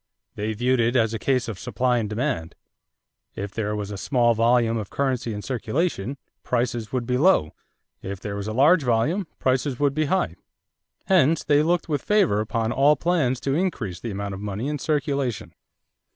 They viewed it as a case of supply and demand. If there was a small volume of currency in circulation, prices would be low; if there was a large volume, prices would be high. Hence they looked with favor upon all plans to increase the amount of money in circulation.